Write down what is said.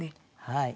はい。